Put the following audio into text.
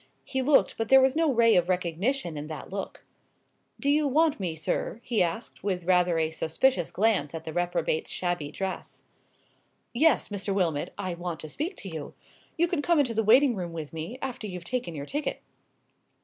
He looked, but there was no ray of recognition in that look. "Do you want me, sir?" he asked, with rather a suspicious glance at the reprobate's shabby dress. "Yes, Mr. Wilmot, I want to speak to you. You can come into the waiting room with me, after you've taken your ticket."